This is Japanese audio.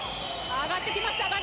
上がってきました！